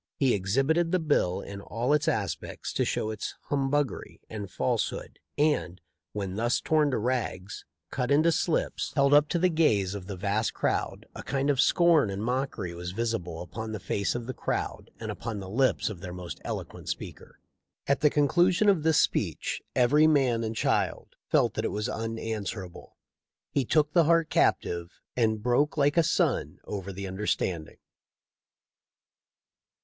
He exhibited the bill in all its aspects to show its humbuggery and falsehood, and, when thus torn to rags, cut into slips, held up THE LIFE OF LINCOLN. 369 to the gaze of the vast crowd, a kind of scorn and mockery was visible upon the face of the crowd and upon the lips of their most eloquent speaker. At the conclusion of this speech every man and child felt that it was unanswerable. He took the heart captive and broke like a sun over the understand ing."